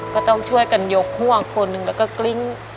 ก็ต้องช่วยกันยกห่วงคนหนึ่งแล้วก็กลิ้ง